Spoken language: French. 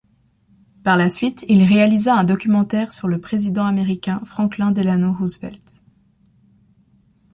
Par la suite il réalisa un documentaire sur le président américain Franklin Delano Roosevelt.